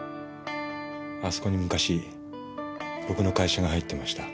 あそこに昔僕の会社が入っていました。